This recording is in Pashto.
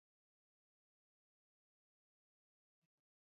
لاره قدیمې زمانې ژواک نمونه نه ده.